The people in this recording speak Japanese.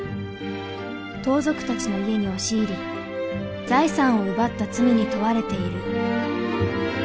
盗賊たちの家に押し入り財産を奪った罪に問われている。